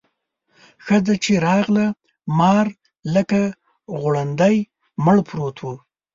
ښځه چې راغله مار لکه غونډی مړ پروت و.